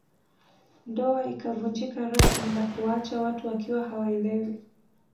Ndoa ikavunjika rasmi na kuwaacha watu wakiwa hawaelewi